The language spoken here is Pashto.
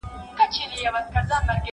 ستړې مسې نه هېریږي.